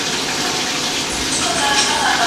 کتابونه وړه؟!